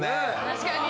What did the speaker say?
確かに。